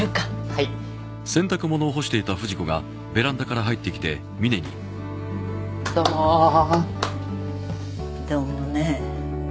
はいどうもどうもねえ